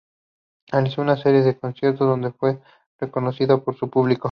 Realizó una serie de conciertos donde fue reconocida por su público.